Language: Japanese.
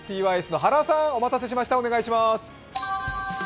ｔｙｓの原さん、お願いします。